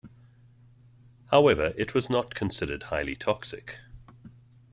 However, it was not considered highly toxic.